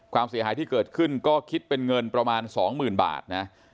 ความเสียหายที่เกิดขึ้นก็คิดเป็นเงินประมาณ๒๐๐๐บาทนะ